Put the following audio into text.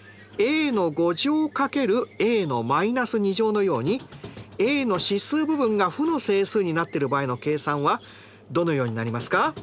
のようにａの指数部分が負の整数になっている場合の計算はどのようになりますか？